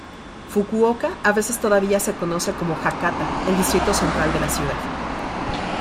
Fukuoka a veces todavía se conoce como Hakata, el distrito central de la ciudad.